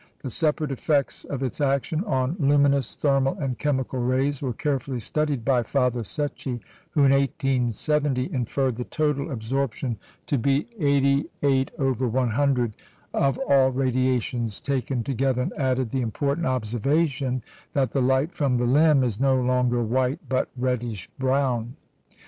The separate effects of its action on luminous, thermal, and chemical rays were carefully studied by Father Secchi, who in 1870 inferred the total absorption to be 88/100 of all radiations taken together, and added the important observation that the light from the limb is no longer white, but reddish brown.